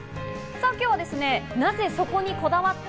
今日は、なぜそこにこだわった？